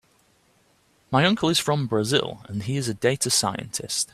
My uncle is from Brazil and he is a data scientist.